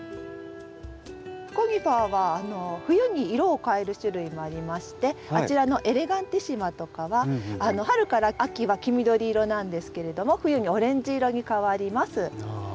コニファーは冬に色を変える種類もありましてあちらの‘エレガンティシマ’とかは春から秋は黄緑色なんですけれども冬にオレンジ色に変わります。